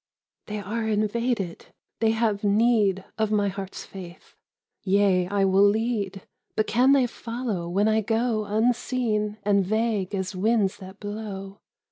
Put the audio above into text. Jeanne d'Arc : They are invaded ! They have need Of my heart's faith ! Yea, I will lead, But can they follow when I go Unseen and vague as winds that blow?